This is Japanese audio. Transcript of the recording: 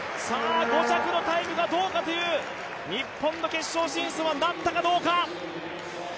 ５着のタイムがどうかという、日本の決勝進出はなったかどうか。